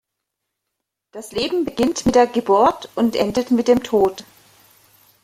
Das Leben beginnt mit der Geburt und endet mit dem Tod.